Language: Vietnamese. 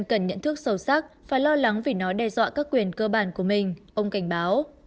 cần nhận thức sâu sắc và lo lắng vì nó đe dọa các quyền cơ bản của mình ông cảnh báo